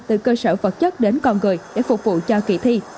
từ cơ sở vật chất đến con người để phục vụ cho kỳ thi